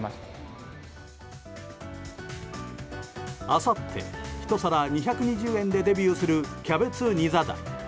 あさって、１皿２２０円でデビューするキャベツニザダイ。